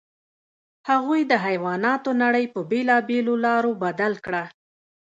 هغوی د حیواناتو نړۍ په بېلابېلو لارو بدل کړه.